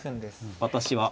私は。